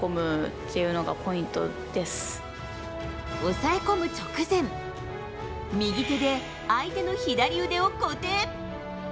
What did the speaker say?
抑え込む直前右手で相手の左腕を固定。